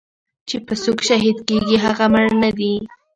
چې سوک شهيد کيګي هغه مړ نه دې.